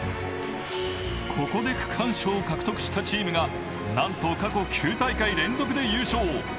ここで区間賞を獲得したチームが、なんと過去９大会連続で優勝。